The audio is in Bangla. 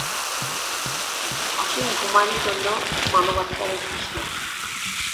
অসীম ভূমারই জন্য মানবাত্মার এই তৃষ্ণা।